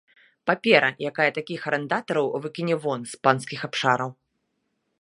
Папера, якая такіх арандатараў выкіне вон з панскіх абшараў.